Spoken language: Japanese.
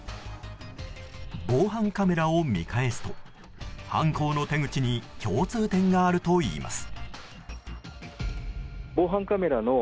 防犯カメラを見返すと犯行の手口に共通点があるといいます。